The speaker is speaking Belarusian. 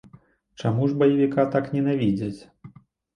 Чаму ж баевіка так ненавідзяць?